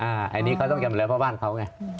อันนี้เขาต้องจำเลยว่าบ้านเขาไง